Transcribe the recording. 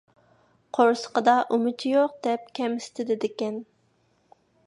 «قورسىقىدا ئۇمىچى يوق» دەپ كەمسىتىلىدىكەن.